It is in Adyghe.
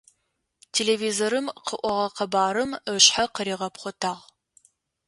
Телевизорым къыӏогъэ къэбарым ышъхьэ къыригъэпхъотагъ.